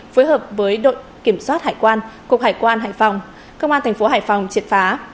phối hợp với đội kiểm soát hải quan cục hải quan hải phòng công an thành phố hải phòng triệt phá